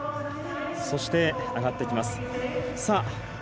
そして上がってきます。